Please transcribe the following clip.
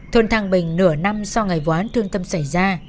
thuần thăng bình nửa năm sau ngày võ án thương tâm xảy ra